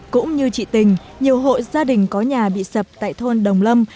cũng như chị tình nhiều hộ gia đình có nhà bị sập tại thôn đồng lâm